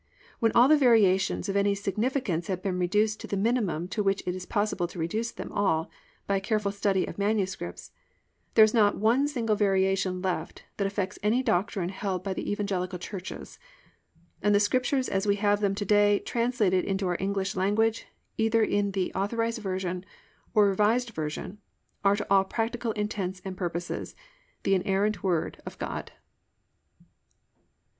When all the variations of any significance have been reduced to the minimum to which it is possible to reduce them by a careful study of manuscripts, there is not one single variation left that affects any doctrine held by the evangelical churches, and the Scriptures as we have them to day translated into our English language, either in the A. V. or R. V., are to all practical intents and purposes the inerrant Word of God.